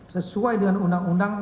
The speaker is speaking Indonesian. sesuai dengan undang undang